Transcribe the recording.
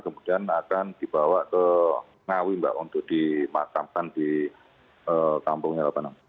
kemudian akan dibawa ke ngawi mbak untuk dimakamkan di kampungnya lapangan